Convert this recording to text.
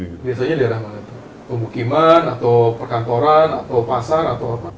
biasanya daerah mana itu pemukiman atau perkantoran atau pasar atau apa